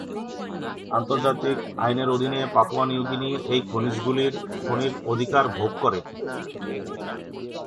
আন্তর্জাতিক আইনের অধীনে পাপুয়া নিউ গিনি এই খনিজগুলির খনির অধিকার ভোগ করে।